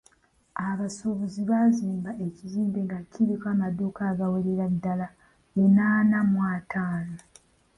Abasuubuzi baazimba ekizimbe nga kiriko amaduuka agawerera ddala lunaana mu ataano.